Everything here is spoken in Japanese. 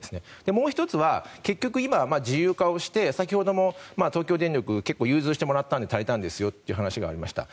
もう１つは結局、今、自由化をして先ほども東京電力融通してもらったので足りたという話がありました。